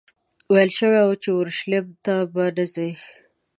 ویل شوي وو چې اورشلیم ته به نه ځې.